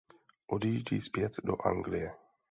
Odjíždí zpět do Anglie.